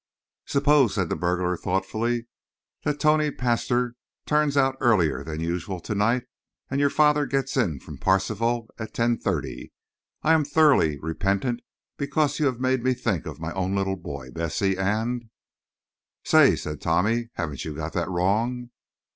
"Suppose," said the burglar, thoughtfully, "that Tony Pastor turns out earlier than usual to night, and your father gets in from 'Parsifal' at 10.30. I am thoroughly repentant because you have made me think of my own little boy Bessie, and—" "Say," said Tommy, "haven't you got that wrong?"